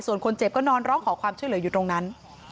ส่วนคนเจ็บก็นอนร้องขอความช่วยเหลืออยู่ตรงนั้น